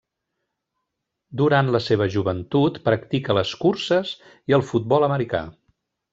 Durant la seva joventut, practica les curses i el futbol americà.